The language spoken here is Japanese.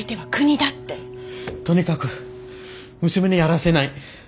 とにかく娘にやらせない。